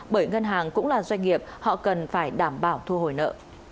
bởi ngân hàng cũng là doanh nghiệp họ cần phải đảm bảo thu hồi nợ